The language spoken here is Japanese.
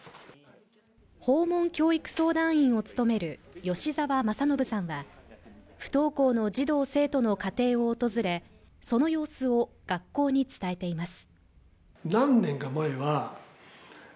訪問教育相談員を務める吉澤正展さんは不登校の児童生徒の家庭を訪れ、その様子を学校に伝えています。